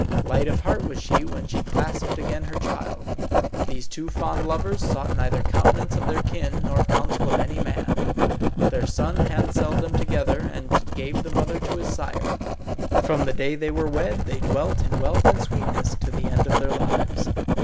Light of heart was she when she clasped again her child. These two fond lovers sought neither countenance of their kin, nor counsel of any man. Their son handselled them together, and gave the mother to his sire. From the day they were wed they dwelt in wealth and in sweetness to the end of their lives.